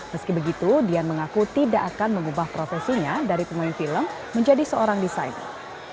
meski begitu dian mengaku tidak akan mengubah profesinya dari pemain film menjadi seorang desainer